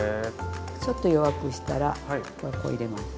ちょっと弱くしたらこれこう入れます。